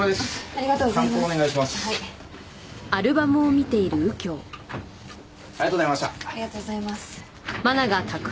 ありがとうございます。